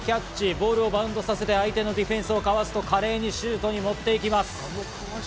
ボールをバウンドさせて相手のディフェンスをかわすと、華麗にシュートに持って行きます。